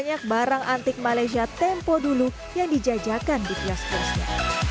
banyak barang antik malaysia tempo dulu yang dijajakan di kios kiosnya